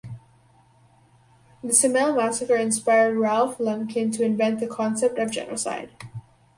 The Simele massacre inspired Raphael Lemkin to invent the concept of genocide.